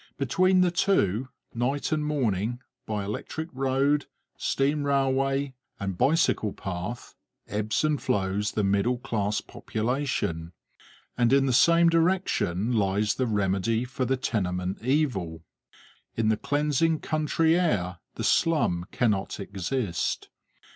Between the two, night and morning, by electric road, steam railway, and bicycle path, ebbs and flows the middle class population. And in the same direction lies the remedy for the tenement evil. In the cleansing country air the slum cannot exist.